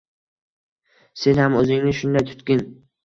Sen ham oʻzingni shunday tutgin.